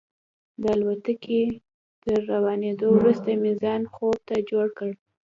د الوتکې تر روانېدو وروسته مې ځان خوب ته جوړ کړ.